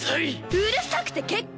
うるさくて結構！